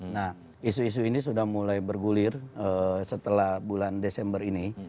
nah isu isu ini sudah mulai bergulir setelah bulan desember ini